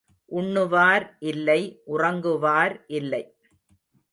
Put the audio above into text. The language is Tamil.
உண்ணுவார் இல்லை உறங்குவார் இல்லை.